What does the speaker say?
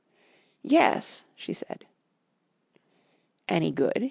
] "Yes," she said. "Any good?"